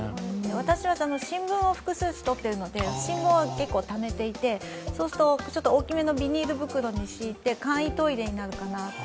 私は新聞を複数紙とっているのでためていてちょっと大きめのビニール袋に敷いて簡易トイレになるかな。